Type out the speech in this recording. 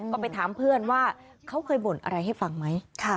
ก็ไปถามเพื่อนว่าเขาเคยบ่นอะไรให้ฟังไหม